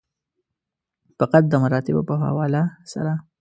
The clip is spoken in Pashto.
فقط د مراتبو په حواله سره.